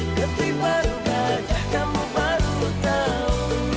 ketipar gajah kamu baru tahu